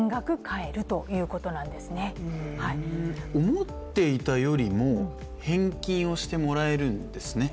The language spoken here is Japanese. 思っていたよりも返金をしてもらえるんですね。